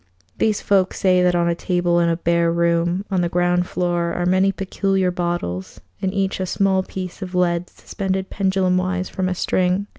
These folk say that on a table in a bare room on the ground floor are many peculiar bottles, in each a small piece of lead suspended pendulum wise from a string.